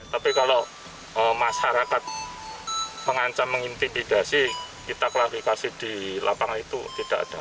tapi kalau masyarakat mengancam mengintimidasi kita klarifikasi di lapangan itu tidak ada